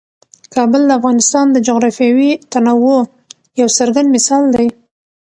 کابل د افغانستان د جغرافیوي تنوع یو څرګند مثال دی.